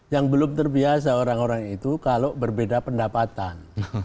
yang belum terbiasa orang orang itu kalau berbeda pendapatan